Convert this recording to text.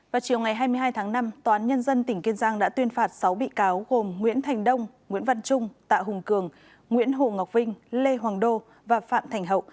vào chiều ngày hai mươi hai tháng năm tòa án nhân dân tỉnh kiên giang đã tuyên phạt sáu bị cáo gồm nguyễn thành đông nguyễn văn trung tạ hùng cường nguyễn hồ ngọc vinh lê hoàng đô và phạm thành hậu